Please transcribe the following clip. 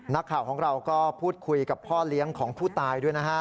นักข่าวของเราก็พูดคุยกับพ่อเลี้ยงของผู้ตายด้วยนะฮะ